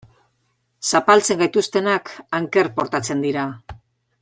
Zapaltzen gaituztenak anker portatzen dira.